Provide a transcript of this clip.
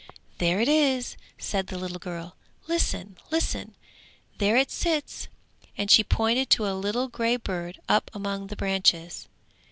'There it is!' said the little girl. 'Listen, listen, there it sits!' and she pointed to a little grey bird up among the branches.